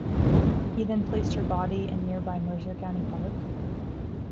He then placed her body in nearby Mercer County Park.